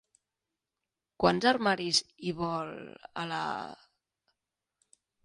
Quants armaris hi vol, a la...?